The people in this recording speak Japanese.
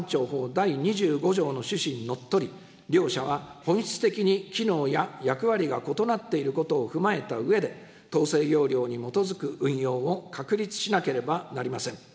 第２５条の趣旨にのっとり、両者は本質的に機能や役割が異なっていることを踏まえたうえで、統制要領に基づく運用を確立しなければなりません。